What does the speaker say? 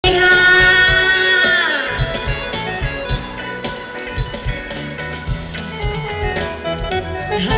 สวัสดีค่ะ